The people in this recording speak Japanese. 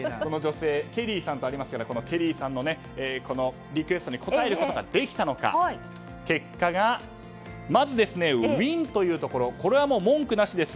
この女性、ケリーさんのリクエストに応えることができたのか結果がまず、ＷＩＮというところこれは文句なしです。